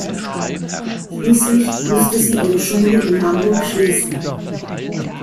Schließlich musste sie ihre Schule in Hamburg schließen.